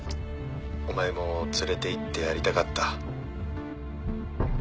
お前も連れていってやりたかった